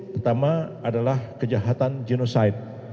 pertama adalah kejahatan genocide